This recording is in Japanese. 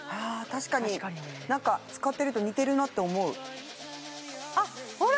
確かになんか使ってると似てるなって思うあっほら！